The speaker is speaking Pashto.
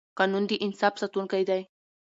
قانون د انصاف ساتونکی دی